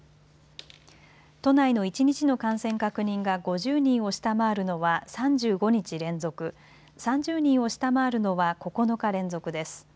都内の一日の感染確認が５０人を下回るのは３５日連続、３０人を下回るのは９日連続です。